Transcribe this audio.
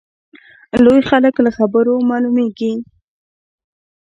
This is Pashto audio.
لوی خلک له خبرو معلومیږي.